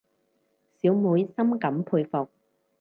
小妹深感佩服